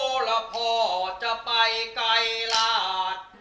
โอละพ่อจะไปไกลลาด